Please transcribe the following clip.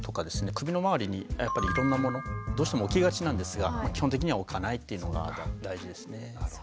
首の周りにやっぱりいろんなものどうしても置きがちなんですが基本的には置かないっていうのが大事ですね。